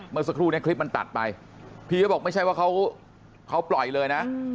เมื่อสักครู่นี้คลิปมันตัดไปพี่เขาบอกไม่ใช่ว่าเขาปล่อยเลยนะ